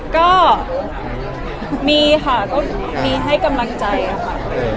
ก็มีค่ะก็มีให้กำลังใจค่ะ